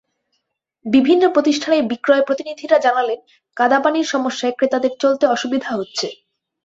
বিভিন্ন প্রতিষ্ঠানের বিক্রয় প্রতিনিধিরা জানালেন, কাদাপানির সমস্যায় ক্রেতাদের চলতে অসুবিধা হচ্ছে।